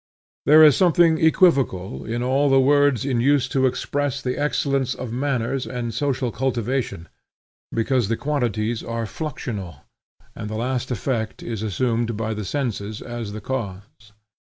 There is something equivocal in all the words in use to express the excellence of manners and social cultivation, because the quantities are fluxional, and the last effect is assumed by the senses as the cause.